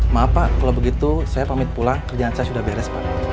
maaf pak kalau begitu saya pamit pulang kerjaan saya sudah beres pak